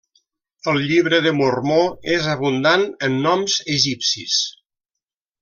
El Llibre de Mormó és abundant en noms egipcis.